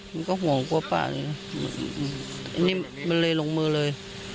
มันก็ห่วงกว่าป้านี่อันนี้มันเลยลงมือเลย